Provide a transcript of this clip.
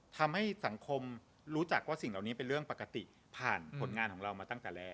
ทำให้สังคมรู้จักว่าสิ่งเหล่านี้เป็นเรื่องปกติผ่านผลงานของเรามาตั้งแต่แรก